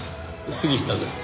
杉下です。